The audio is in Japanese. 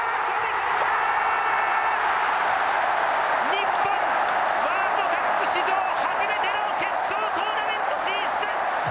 日本ワールドカップ史上初めての決勝トーナメント進出。